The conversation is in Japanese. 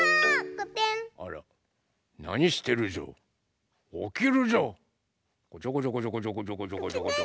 こちょこちょこちょこちょ。